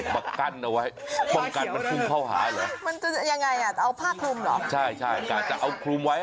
เฮ้ยมันมาจากไหนเนี่ย